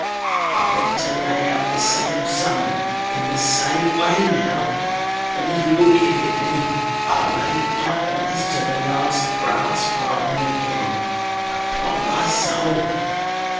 I want to lay out the same sum in the same way now; and if you'll give it me, I'll lay it out honest to the last brass farden again, upon my soul!"